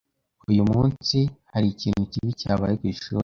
Uyu munsi, hari ikintu kibi cyabaye ku ishuri?